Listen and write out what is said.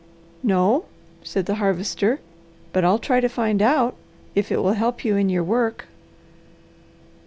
"No," said the Harvester, "but I'll try to find out if it will help you in your work."